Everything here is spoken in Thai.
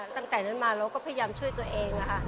ตั้งแต่นั้นมาเราก็พยายามช่วยตัวเอง